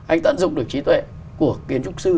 anh tận dụng được trí tuệ của kiến trúc sư